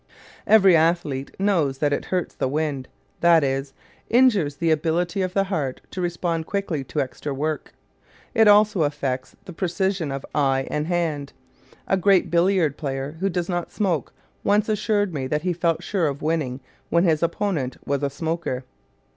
Every athlete knows that it hurts the wind; that is, injures the ability of the heart to respond quickly to extra work. It also affects the precision of eye and hand. A great billiard player who does not smoke once assured me that he felt sure of winning when his opponent was a smoker.